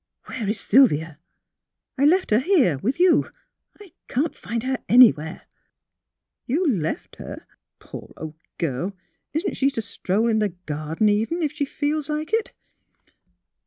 *' Where is Sylvia? I left her here with you. I can't find her anywhere." '' You left her Poor old girl; isn't she to stroll in the garden, even, if she feels like it?